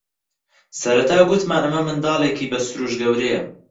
سەرەتا گوتمان ئەمە منداڵێکی بە سرووشت گەورەیە